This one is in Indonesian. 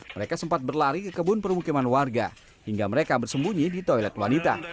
mereka sempat berlari ke kebun permukiman warga hingga mereka bersembunyi di toilet wanita